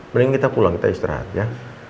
mending kita pulang kita istirahat ya